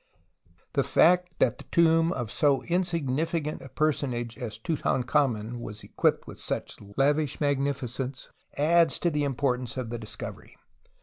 The fact that the tomb of so insignificant a personage as Tutankhamen was equipped with such lavish magnificence adds to the importance of the discovery.